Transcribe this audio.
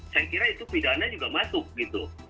saya kira itu pidana juga masuk gitu